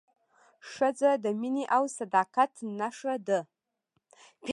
ښځه د مینې او صداقت نښه ده.